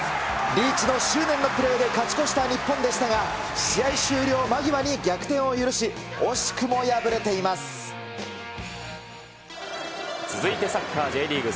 リーチの執念のプレーで勝ち越した日本でしたが、試合終了間際に逆転を許し、惜しくも敗れていま続いてサッカー・Ｊリーグ。